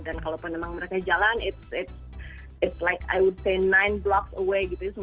dan kalau penemang mereka jalan it's like i would say sembilan blocks away gitu